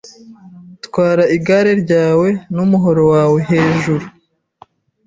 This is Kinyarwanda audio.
Twara igare ryawe numuhoro wawe hejuru